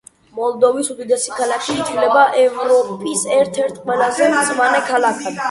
მოლდოვის უდიდესი ქალაქი; ითვლება ევროპის ერთ-ერთ ყველაზე მწვანე ქალაქად.